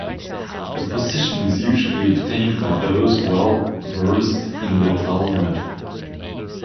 The position is usually obtained by those well versed in the Talmud.